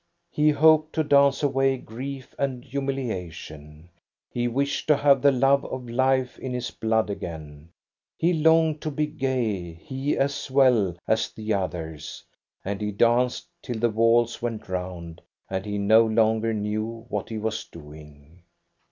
He hoped to dance away grief and hu miliation ; he wished to have the love of life in his blood again ; he longed to be gay, he as well as the others. And he danced till the walls went round, and he no longer knew what he was doing.